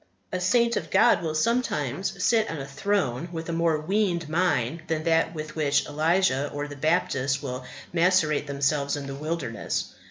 A saint of God will sometimes sit on a throne with a more weaned mind than that with which Elijah or the Baptist will macerate themselves in the wilderness.